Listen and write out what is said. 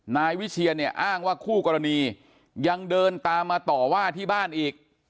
นายวิเชียนเนี่ยอ้างว่าคู่กรณียังเดินตามมาต่อว่าที่บ้านอีก